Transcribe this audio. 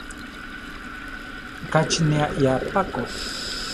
Ka chi ne aʼyá pa ko.